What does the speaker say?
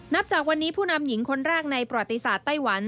นับจากวันนี้ผู้นำหญิงคนแรกในประวัติศาสตร์ไต้หวัน